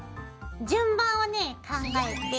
順番をね考えて。